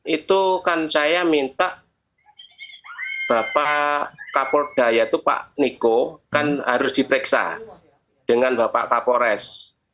itu kan saya minta bapak kapolda yaitu pak niko kan harus diperiksa dengan bapak kapolres